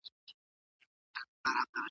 بې صبره زړه مې نه صبريږي